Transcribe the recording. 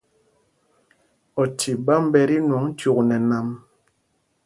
Oci ɓām ɓɛ ti ɛnwɔŋ cyûk nɛ nam.